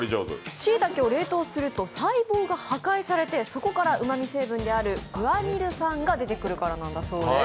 しいたけを冷凍すると細胞が破壊されてそこからうまみ成分であるグアニル酸が出てくるからだそうです。